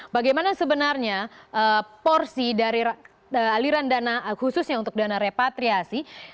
bagaimana sebenarnya porsi dari aliran dana khususnya untuk dana repatriasi